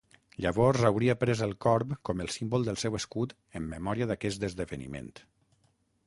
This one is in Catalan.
Llavors hauria pres el corb com el símbol del seu escut en memòria d'aquest esdeveniment.